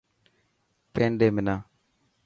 پين ڏي منا.